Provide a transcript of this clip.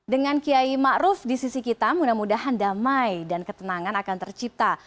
dengan kiai ⁇ maruf ⁇ di sisi kita mudah mudahan damai dan ketenangan akan tercipta